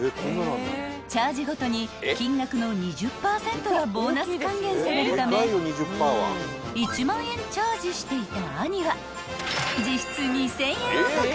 ［チャージごとに金額の２０％がボーナス還元されるため１万円チャージしていた兄は実質２，０００円お得に］